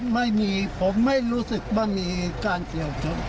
ไม่มีผมไม่รู้สึกว่ามีการเฉียวชน